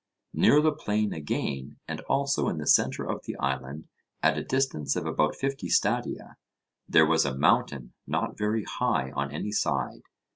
Near the plain again, and also in the centre of the island at a distance of about fifty stadia, there was a mountain not very high on any side.